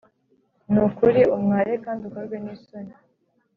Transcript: Ni ukuri umware, kandi ukorwe n’isoni